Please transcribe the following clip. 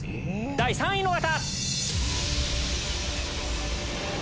第３位の方！